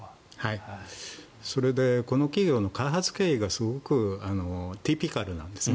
それでこの企業の開発経緯がすごくティピカルなんですね。